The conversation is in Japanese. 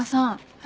はい。